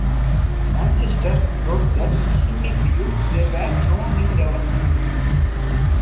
Manchester wrote that, in his view, there were no new developments.